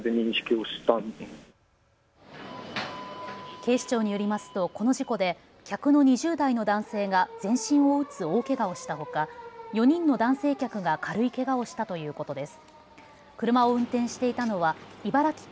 警視庁によりますと、この事故で客の２０代の男性が全身を打つ大けがをしたほか４人の男性客が軽いけがをしたということです。